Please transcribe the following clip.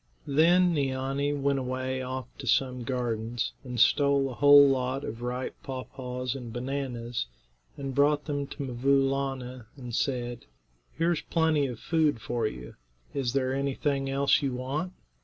Then Neeanee went away off to some gardens and stole a whole lot of ripe paw paws and bananas, and brought them to 'Mvoo Laana, and said: "Here's plenty of food for you. Is there anything else you want?